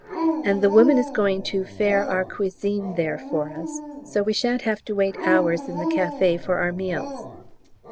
And the woman is going to faire our cuisine there for us, so we shan't have to wait hours in the café for our meals.